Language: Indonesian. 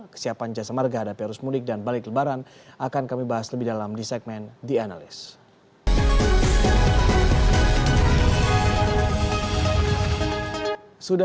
kesiapan jasa marga hadapi arus mudik dan balik lebaran akan kami bahas lebih dalam di segmen the analyst